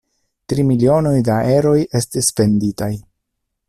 Tri milionoj da eroj estis venditaj.